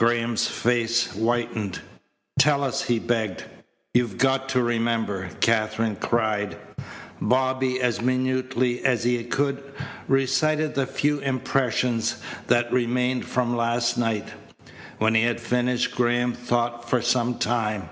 Graham's face whitened. "Tell us," he begged. "You've got to remember!" Katherine cried. Bobby as minutely as he could recited the few impressions that remained from last night. When he had finished Graham thought for some time.